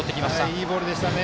いいボールでしたね。